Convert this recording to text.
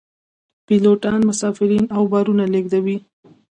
پیلوټان مسافرین او بارونه لیږدوي